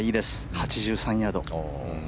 ８３ヤード。